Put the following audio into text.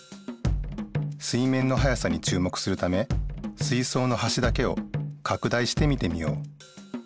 水面の速さにちゅう目するため水そうのはしだけをかく大して見てみよう。